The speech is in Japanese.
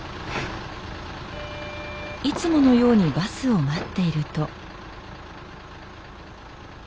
いつものようにバスを待っていると。